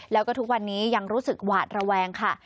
แล้วก็ทุกวันนี้ยังรู้สึกหวาดระแวงค่ะ